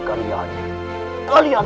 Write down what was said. tirisnya sudah sopan